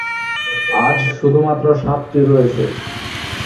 আজ শুধুমাত্র সাতটি রয়েছে।